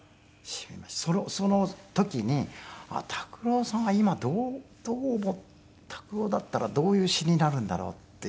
その時に拓郎さんは今どう拓郎だったらどういう詞になるんだろうっていう。